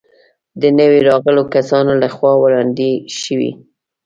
د نویو راغلو کسانو له خوا وړاندې شي.